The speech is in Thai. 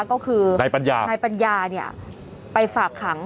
ก็คือนายปัญญานายปัญญาเนี่ยไปฝากขัง